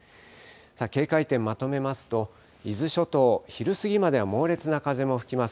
警戒点まとめますと伊豆諸島、昼過ぎまでは猛烈な風も吹きます。